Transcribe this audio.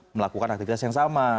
melakukan aktivitas yang sama